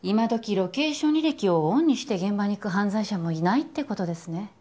ロケーション履歴をオンにして現場に行く犯罪者もいないってことですね